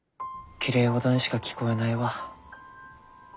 きれいごどにしか聞こえないわ。